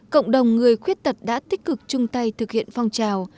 cộng đồng người khuyết tật đã tích cực chung tay thực hiện phong trào